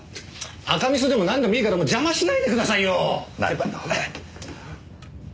赤味噌でもなんでもいいからもう邪魔しないでくださいよ！